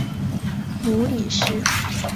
母李氏。